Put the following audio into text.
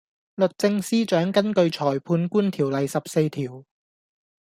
律政司長根據裁判官條例十四條